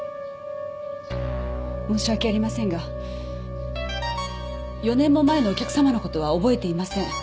申し訳ありませんが４年も前のお客様の事は覚えていません。